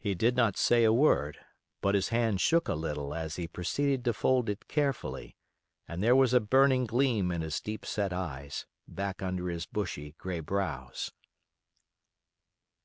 He did not say a word, but his hand shook a little as he proceeded to fold it carefully, and there was a burning gleam in his deep set eyes, back under his bushy, gray brows.